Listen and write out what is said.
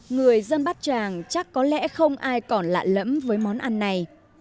người dân bát tràng chắc có lẽ không ai còn lạ lẫm với món ăn này